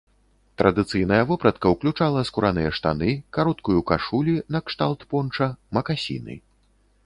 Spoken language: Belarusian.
Традыцыйная вопратка ўключала скураныя штаны, кароткую кашулі накшталт понча, макасіны.